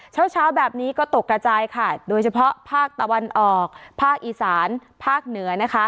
เช้าเช้าแบบนี้ก็ตกกระจายค่ะโดยเฉพาะภาคตะวันออกภาคอีสานภาคเหนือนะคะ